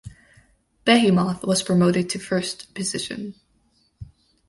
Behemoth was promoted to first position.